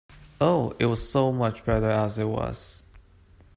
Oh, it was so much better as it was!